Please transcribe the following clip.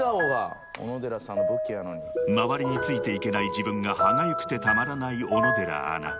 ［周りについていけない自分が歯がゆくてたまらない小野寺アナ］